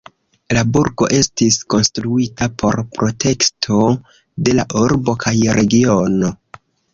La burgo estis konstruita por protekto de la urbo kaj regiono.